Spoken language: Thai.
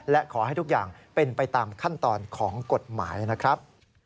และขอให้ทุกอย่างเป็นไปตามขั้นตอนของกฎหมายนะครับ